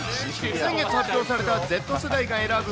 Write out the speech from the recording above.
先月発表されたＺ世代が選ぶ！